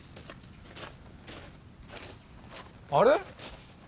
あれ？